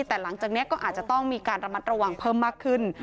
แต่หลังจากนี้ก็อาจจะต้องมีการระมัดระวังเพิ่มมากขึ้น